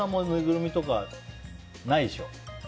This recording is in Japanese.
ぬいぐるみとかないでしょ？